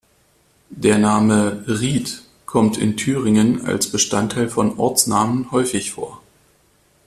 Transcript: Der Name "Rieth" kommt in Thüringen als Bestandteil von Ortsnamen häufig vor.